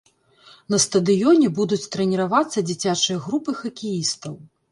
На стадыёне будуць трэніравацца дзіцячыя групы хакеістаў.